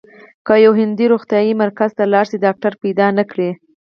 که یو هندی روغتیايي مرکز ته لاړ شي ډاکټر پیدا نه کړي.